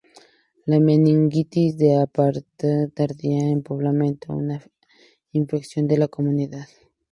La meningitis de aparición tardía es probablemente una infección de la comunidad.